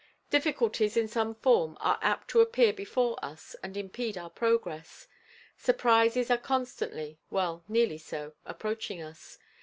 Difficulties in some form are apt to appear before us and impede our progress. Surprises are constantly—well nearly so—approaching us.